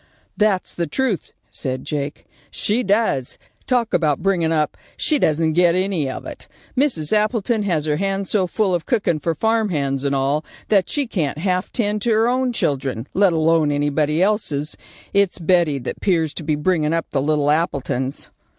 "That's the truth," said Jake; "she does. Talk about bringin' up. She doesn't get any of it. Mrs. Appleton has her hands so full of cookin' for farm hands and all, that she can't half tend to her own children, let alone anybody else's. It's Betty that 'pears to be bringin' up the little Appletons."